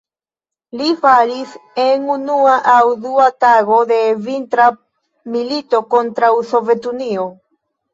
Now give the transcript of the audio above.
Li falis en unua aŭ dua tago de Vintra milito kontraŭ Sovetunio.